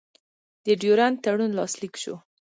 د ډیورنډ تړون لاسلیک شو.